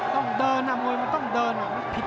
ต้องเดินอ่ะมวยมันต้องเดินอ่ะ